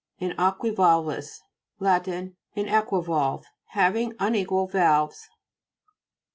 INJEO.UIYA'LVIS Lat. Inequivalve. Having unequal valves.